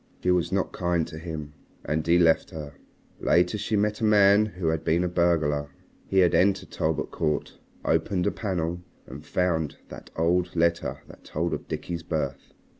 She was not kind to him. And he left her. Later she met a man who had been a burglar. He had entered Talbot Court, opened a panel, and found that old letter that told of Dickie's birth.